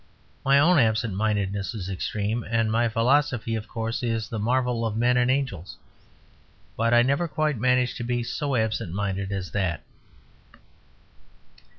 My own absent mindedness is extreme, and my philosophy, of course, is the marvel of men and angels. But I never quite managed to be so absent minded as that.